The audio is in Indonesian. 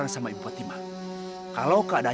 dit itu kan